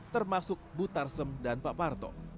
termasuk bu tarsem dan pak parto